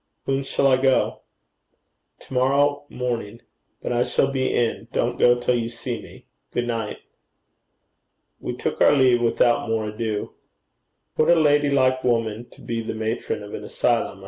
'When shall I go?' 'To morrow morning. But I shall be in. Don't go till you see me. Good night.' We took our leave without more ado. 'What a lady like woman to be the matron of an asylum!'